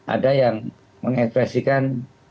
ada yang mengekspresikan